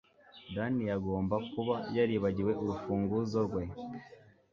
dan yagomba kuba yaribagiwe urufunguzo rwe